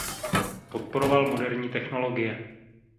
Podporoval moderní technologie.